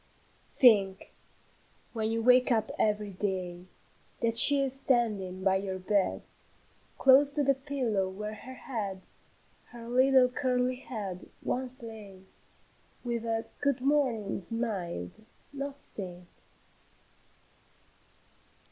"Think, when you wake up every day, That she is standing by your bed, Close to the pillow where her head, Her little curly head, once lay, With a 'Good morning' smiled, not said.